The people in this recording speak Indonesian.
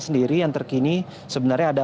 sendiri yang terkini sebenarnya ada